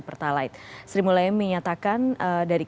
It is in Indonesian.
terima kasih telah menonton ini